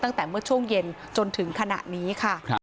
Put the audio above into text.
ตั้งแต่เมื่อช่วงเย็นจนถึงขณะนี้ค่ะ